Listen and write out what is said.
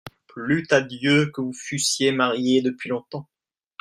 Plût à Dieu que vous fussiez mariée depuis longtemps !